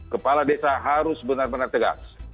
kepala desa harus benar benar tegas